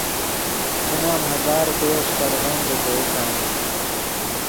من ام ہزار روپیو ݰیکاڑیم دے تے اکاؤنٹ۔